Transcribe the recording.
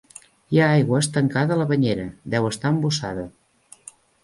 Hi ha aigua estancada a la banyera; deu estar embussada.